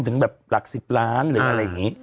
ถึงแบบหลัก๑๐ล้านหรืออะไรอย่างนี้